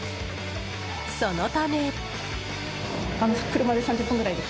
そのため。